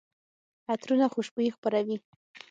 عطرونه خوشبويي خپروي.